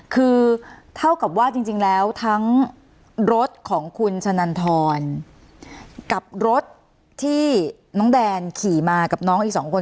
คือเท่ากับว่าจริงแล้วทั้งรถของคุณชะนันทรกับรถที่น้องแดนขี่มากับน้องอีกสองคน